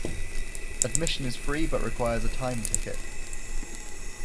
Admission is free, but requires a time ticket.